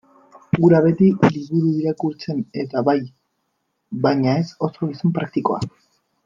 Hura beti liburu irakurtzen-eta bai, baina ez oso gizon praktikoa.